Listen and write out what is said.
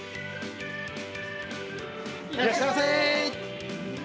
いらっしゃいませ。